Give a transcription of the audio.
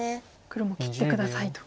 黒も切って下さいと。